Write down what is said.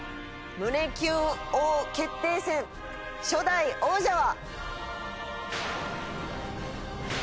胸キュン王決定戦初代王者は。